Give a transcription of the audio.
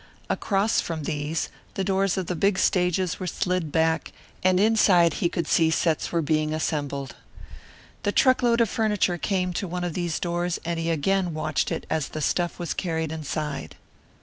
Across from these the doors of the big stages were slid back, and inside he could see that sets were being assembled. The truckload of furniture came to one of these doors and he again watched it as the stuff was carried inside.